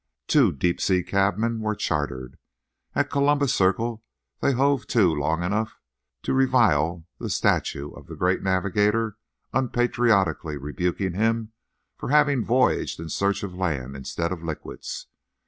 Two deep sea cabmen were chartered. At Columbus Circle they hove to long enough to revile the statue of the great navigator, unpatriotically rebuking him for having voyaged in search of land instead of liquids.